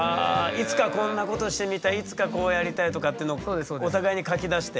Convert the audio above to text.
いつかこんなことしてみたいいつかこうやりたいとかっていうのをお互いに書き出して。